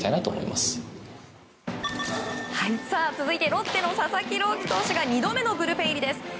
続いてロッテの佐々木朗希投手が２度目のブルペン入りです。